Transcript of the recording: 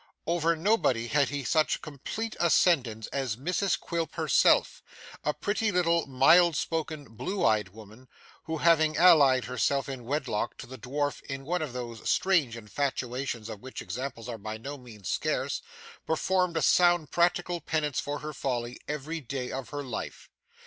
Over nobody had he such complete ascendance as Mrs Quilp herself a pretty little, mild spoken, blue eyed woman, who having allied herself in wedlock to the dwarf in one of those strange infatuations of which examples are by no means scarce, performed a sound practical penance for her folly, every day of her life.